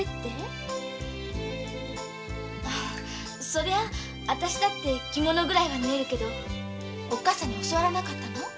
そりゃま私だって着物ぐらいは縫えるけどおっ母さんに教わらなかったの？